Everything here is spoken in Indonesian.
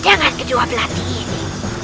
dengan kedua belati ini